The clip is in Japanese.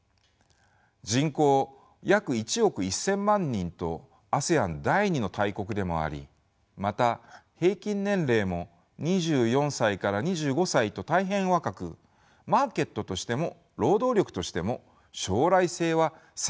人口約１億１，０００万人とＡＳＥＡＮ第二の大国でもありまた平均年齢も２４歳から２５歳と大変若くマーケットとしても労働力としても将来性は世界有数です。